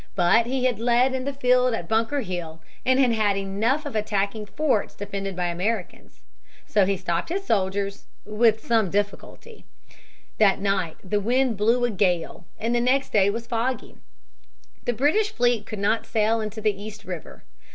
But he had led in the field at Bunker Hill and had had enough of attacking forts defended by Americans. So he stopped his soldiers with some difficulty. That night the wind blew a gale, and the next day was foggy. The British fleet could not sail into the East River.